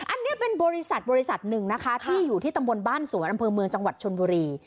อันนี้เป็นบริษัทบริษัทหนึ่งนะคะที่อยู่ที่ตำบลบ้านสวนอำเภอเมืองจังหวัดชนบุรี